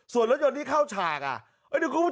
ส่วนรถยนต์ที่เข้าฉากอ่ะ